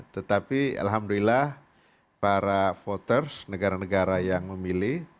tetapi alhamdulillah para voters negara negara yang memilih